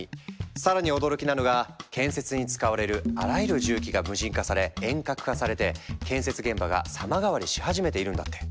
更に驚きなのが建設に使われるあらゆる重機が無人化され遠隔化されて建築現場が様変わりし始めているんだって！